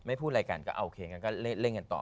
พูดอะไรกันก็โอเคงั้นก็เล่นกันต่อ